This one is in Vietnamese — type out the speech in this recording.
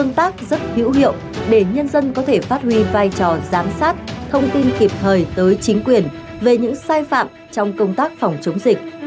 công tác rất hữu hiệu để nhân dân có thể phát huy vai trò giám sát thông tin kịp thời tới chính quyền về những sai phạm trong công tác phòng chống dịch